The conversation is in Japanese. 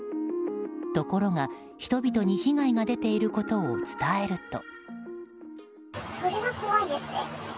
ところが人々に被害が出ていることを伝えると。